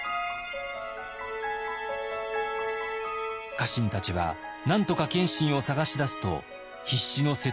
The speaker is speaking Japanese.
家臣たちはなんとか謙信を捜し出すと必死の説得を重ねます。